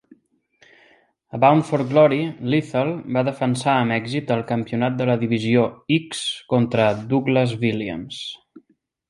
A Bound for Glory, Lethal va defensar amb èxit el Campionat de la Divisió X contra Douglas Williams.